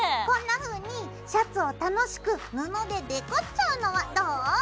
こんなふうにシャツを楽しく布でデコっちゃうのはどう？